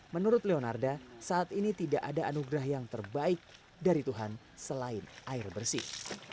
menurut leonarda saat ini tidak ada anugerah yang terbaik dari tuhan selain air bersih